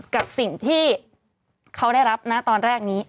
กับสิ่งที่เขาได้รับนะตอนแรกนี้